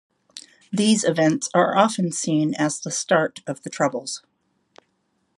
These events are often seen as the start of the Troubles.